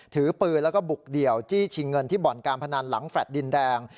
ถือปืนแล้วก็บุกเดี่ยวจี้ชิงเงินที่บ่อนการพนันหลังแฟลต์ดินแดง